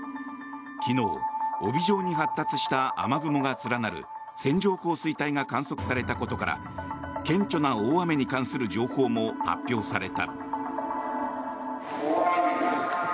昨日、帯状に発達した雨雲が連なる線状降水帯が観測されたことから顕著な大雨に関する情報も発表された。